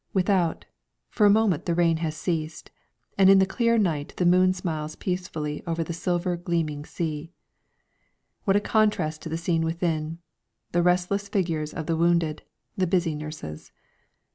Without, for a moment the rain has ceased, and in the clear night the moon smiles peacefully over the silver, gleaming sea. What a contrast to the scene within! The restless figures of the wounded the busy nurses.